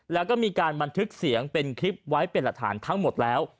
แล้วก็มีการบันทึกเสียงเป็นคลิปไว้เป็นหลักฐานทั้งหมดแล้ว